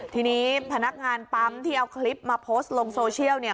ทีนี้พนักงานปั๊มที่เอาคลิปมาโพสต์ลงโซเชียลเนี่ย